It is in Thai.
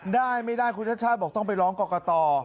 ได้ไม่ได้คุณชาติชาติบอกต้องไปร้องกรกต